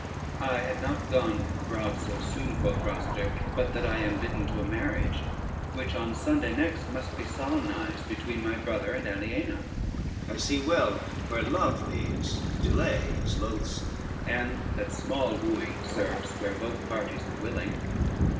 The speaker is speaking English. "I had not gone abroad so soon," quoth Rosader, "but that I am bidden to a marriage, which, on Sunday next, must be solemnized between my brother and Aliena. I see well where love leads delay is loathsome, and that small wooing serves where both the parties are willing."